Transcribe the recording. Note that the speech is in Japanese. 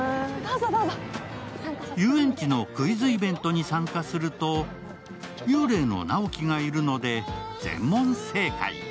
遊園地のクイズイベントに参加すると、幽霊の直木がいるので全問正解。